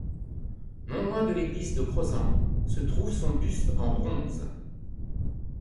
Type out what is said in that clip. Non loin de l'église de Crozant, se trouve son buste en bronze.